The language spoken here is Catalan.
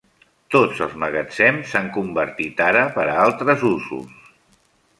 Tots els magatzems s'han convertit ara per a altres usos.